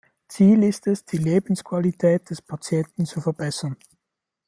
Ziel ist es, die Lebensqualität des Patienten zu verbessern.